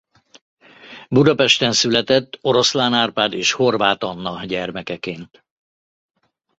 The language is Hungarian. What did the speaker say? Budapesten született Oroszlán Árpád és Horváth Anna gyermekeként.